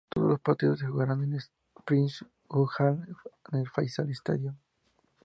Todos los partidos se jugaron en el Prince Abdullah Al Faisal Stadium.